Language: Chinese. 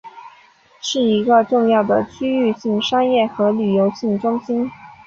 是一个重要的区域性商业和旅游业中心。